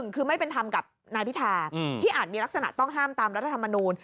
คือไม่เป็นธรรมกับนายพิธาที่อาจมีลักษณะต้องห้ามตามรัฐธรรมนูล